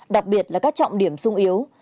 đặc biệt là các trọng điểm sung yếu